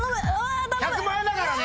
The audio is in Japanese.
１００万円だからね！